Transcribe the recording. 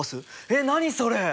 えっ何それ？